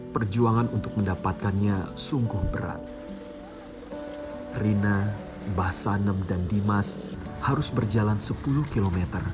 perjuangan untuk mendapatkannya sungguh berat rina mbah sanem dan dimas harus berjalan sepuluh km